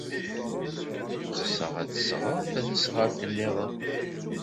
Ɣseɣ ad d-sɣeɣ tasnasɣalt niḍen.